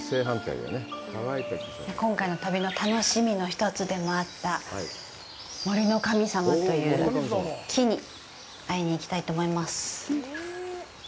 今回の旅の楽しみの１つでもあった森の神様という木に会いに行きたいと思います。